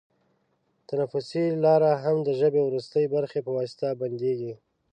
تنفسي لاره هم د ژبۍ وروستۍ برخې په واسطه بندېږي.